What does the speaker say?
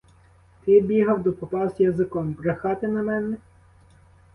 Ти бігав до попа з язиком, брехати на мене?